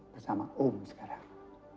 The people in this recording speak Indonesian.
bersama om sekarang